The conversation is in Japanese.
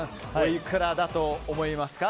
いくらだと思いますか？